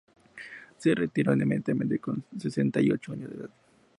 Se retiró inmediatamente con sesenta y ocho años de edad.